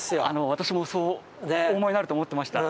私もそうお思いになると思っていました。